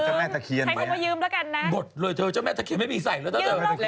ใช้คนมายืมแล้วกันนะบดเลยเถอะเจ้าแม่ตะเคียนไม่มีใส่แล้วเถอะเจ้าเจ้า